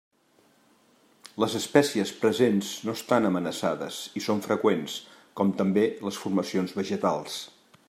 Les espècies presents no estan amenaçades i són freqüents, com també les formacions vegetals.